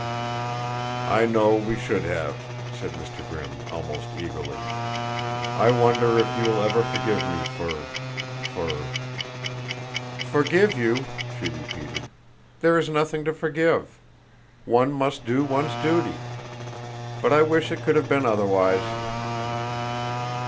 "I know we should have," said Mr. Grimm, almost eagerly. "I wonder if you will ever forgive me for for ?" "Forgive you?" she repeated. "There is nothing to forgive. One must do one's duty. But I wish it could have been otherwise."